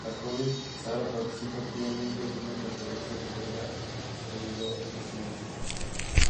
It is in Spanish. La joven Sarah participa activamente en una conferencia sobre la pseudociencia.